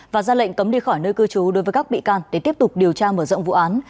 và ra lệnh cấm đi khỏi nơi cư trú đối với các bị can để tiếp tục điều tra mở rộng vụ án